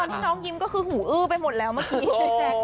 ตอนที่น้องยิ้มก็คือหูอื้อไปหมดแล้วเมื่อกี้